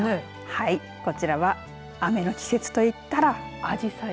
はいこちらは雨の季節といったらあじさい。